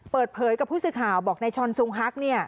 เปิดเผยกับผู้สื่อข่าวบอกนายชอนซุงฮัก